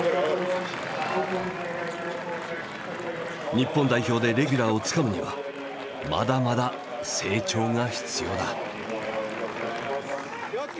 日本代表でレギュラーをつかむにはまだまだ成長が必要だ。